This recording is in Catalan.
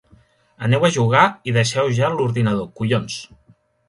Aneu a jugar i deixeu ja l'ordinador, collons!